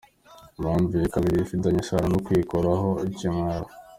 Impamvu ya kabiri ifitanye isano no kwikuraho ikimwaro.